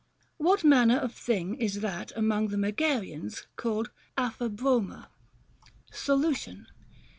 What manner of thing is that among the Megarians called άφάβρωμα? Solution.